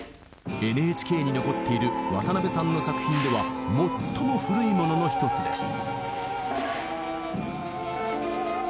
ＮＨＫに残っている渡辺さんの作品では最も古いものの一つです。